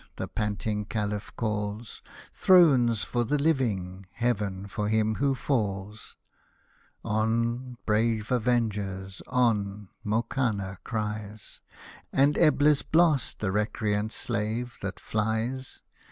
the panting Caliph calls, —" Thrones for the living — Heaven for him who falls !"—" On, brave avengers, on," Mokanna cries, " And Eblis blast the recreant slave that flies